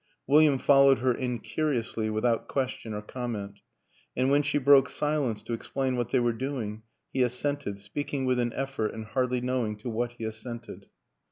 William followed her in curiously, without question or comment ; and when she broke silence to explain what they were doing he assented, speaking with an effort and hardly knowing to what he assented.